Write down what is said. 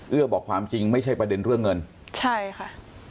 บอกความจริงไม่ใช่ประเด็นเรื่องเงินใช่ค่ะ